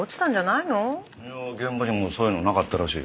いや現場にもそういうのはなかったらしい。